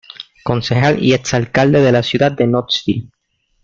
Concejal y exalcalde de la ciudad de Knoxville.